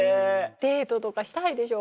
デートとかしたいでしょ。